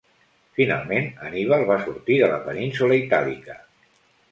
Finalment Hanníbal va sortir de la península Itàlica.